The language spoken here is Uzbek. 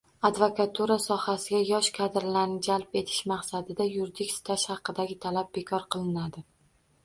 Advokatura sohasiga yosh kadrlarni jalb etish maqsadida yuridik staj haqidagi talab bekor qilinadi.